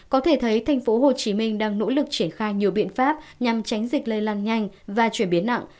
có thể thấy tp hcm đang nỗ lực triển khai nhiều biện pháp nhằm tránh dịch lây lan nhanh và chuyển biến nặng